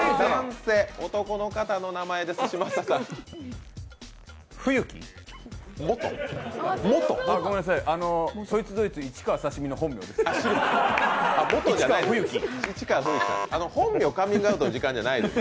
男の方の名前です。